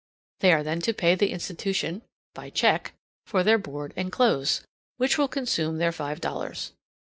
They are then to pay the institution (by check) for their board and clothes, which will consume their five dollars.